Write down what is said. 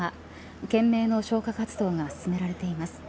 懸命な消火活動が進められています。